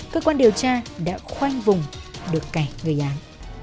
cơ quan điều tra đã khoanh vùng được cảnh người án